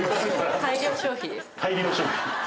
大量消費。